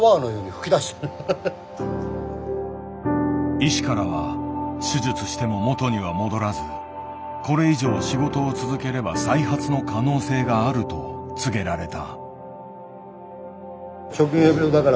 医師からは手術しても元には戻らずこれ以上仕事を続ければ再発の可能性があると告げられた。